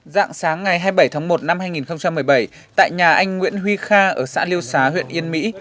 dạng sáng ngày hai mươi bảy tháng một năm hai nghìn một mươi bảy tại nhà anh nguyễn huy kha ở xã liêu xá huyện yên mỹ